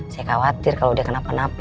saya khawatir kalau udah kenapa napa